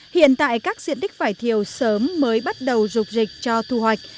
hiện tại các diện tích vải thiêu sớm mới bắt đầu rục dịch cho thu hoạch